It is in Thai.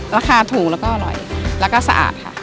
ราคาถูกแล้วก็อร่อยแล้วก็สะอาดค่ะ